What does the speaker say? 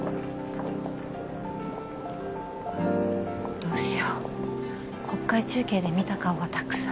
どうしよう国会中継で見た顔がたくさん。